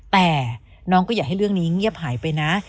แต่น้องก็อยากให้เรื่องนี้เงียบหายไปนะ